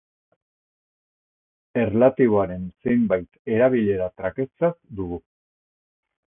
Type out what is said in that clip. Erlatiboaren zenbait erabilera trakestzat dugu.